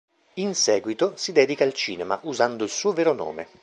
In seguito si dedica al cinema, usando il suo vero nome.